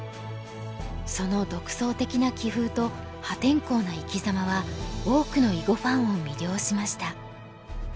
その独創的な棋風と破天荒な生きざまは多くの囲碁ファンを魅了しました。